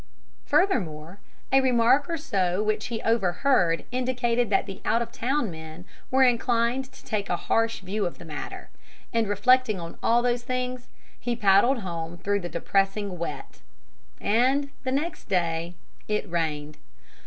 Furthermore, a remark or so which he overheard indicated that the out of town men were inclined to take a harsh view of the matter. And reflecting on all these things, he paddled home through the depressing wet. And the next day it rained.